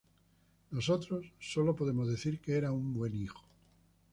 Nosotros sólo podemos decir que era un buen hijo.